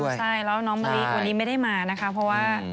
แล้วน้องมะรีตัวนี้ไม่ได้มานะคะพอว่า